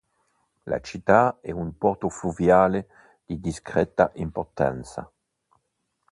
La città è un porto fluviale di discreta importanza.